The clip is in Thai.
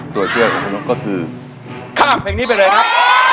ตัวช่วยของคุณนกก็คือข้ามเพลงนี้ไปเลยครับ